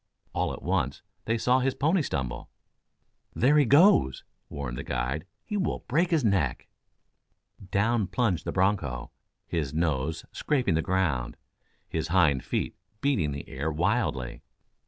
All at once they saw his pony stumble. "There he goes!" warned the guide. "He will break his neck!" Down plunged the broncho, his nose scraping the ground, his hind feet beating the air wildly.